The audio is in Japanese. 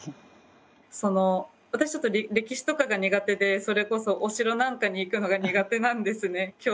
私歴史とかが苦手でそれこそお城なんかに行くのが苦手なんですね。